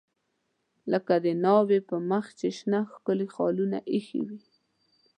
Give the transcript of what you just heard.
لکه د ناوې په مخ چې شنه ښکلي خالونه ایښي وي.